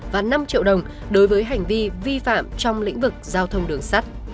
và năm triệu đồng đối với hành vi vi phạm trong lĩnh vực giao thông đường sắt